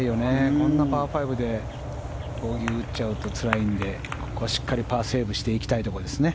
こんなパー５でボギーを打っちゃうとつらいのでここはしっかりパーセーブしていきたいところですね。